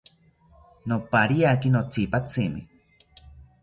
Nopariaki notzipatzimi